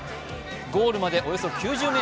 ゴールまでおよそ９０ｍ。